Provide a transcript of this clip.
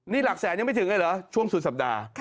นี่หลักแสนยังไม่ถึงเลยเหรอช่วงสุดสัปดาห์